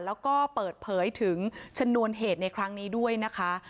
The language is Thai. แล้วก็เปิดเผยถึงชนวนเหตุในครั้งนี้ด้วยนะคะ